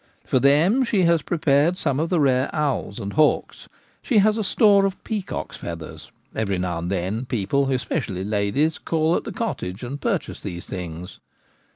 For them she has prepared some of the rare owls and hawks. She has a store of pea cocks' feathers — every now and then people, especially ladies, call at the cottage and purchase these things.